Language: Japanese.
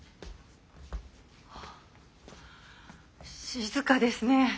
静かですね。